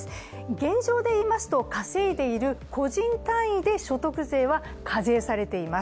現状でいいますと稼いでいる個人単位で所得税は課税されています。